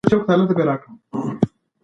د تعليم حق د ټولو لپاره دی.